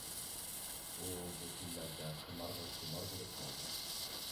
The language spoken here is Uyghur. ئۇ بۇ كۈنلەردە قىمارغا خۇمار بولۇپ قالدى.